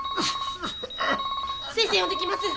先生呼んできます！